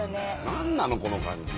何なのこの感じ。